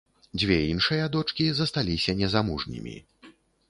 Дзве іншыя дочкі засталіся незамужнімі.